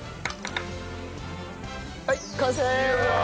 はい完成！